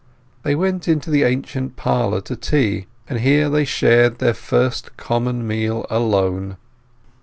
They went into the ancient parlour to tea, and here they shared their first common meal alone.